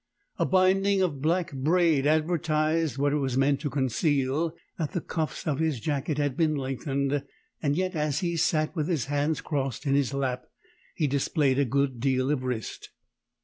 A binding of black braid advertised what it was meant to conceal that the cuffs of his jacket had been lengthened; yet as he sat with his hands crossed in his lap he displayed a deal of wrist.